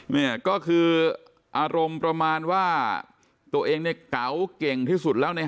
เนี่ยก็คืออารมณ์ประมาณว่าตัวเองเนี่ยเก๋าเก่งที่สุดแล้วใน